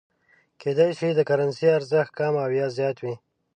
کېدای شي د کرنسۍ ارزښت کم او یا زیات وي.